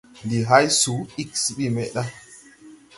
Ndi hay suu ig se bi meʼda.